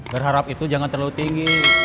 berharap itu jangan terlalu tinggi